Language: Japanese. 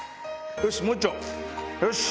よし！